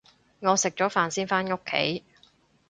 我食咗飯先返屋企